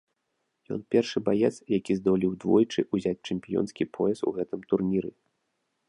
Ён першы баец, які здолеў двойчы ўзяць чэмпіёнскі пояс у гэтым турніры.